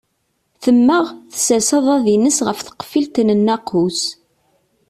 Temmeɣ, tessers aḍad-ines ɣef tqeffilt n nnaqus.